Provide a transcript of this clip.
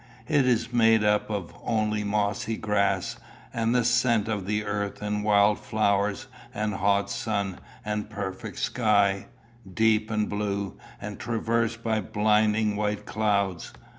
It is made up of only mossy grass, and the scent of the earth and wild flowers, and hot sun, and perfect sky deep and blue, and traversed by blinding white clouds.